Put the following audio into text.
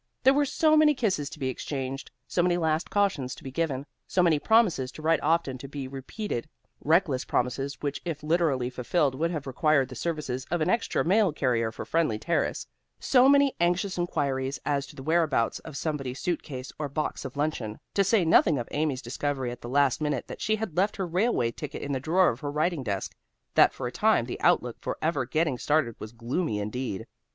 There were so many kisses to be exchanged, so many last cautions to be given, so many promises to write often to be repeated, reckless promises which if literally fulfilled would have required the services of an extra mail carrier for Friendly Terrace so many anxious inquiries as to the whereabouts of somebody's suitcase or box of luncheon, to say nothing of Amy's discovery at the last minute that she had left her railway ticket in the drawer of her writing desk, that for a time the outlook for ever getting started was gloomy indeed.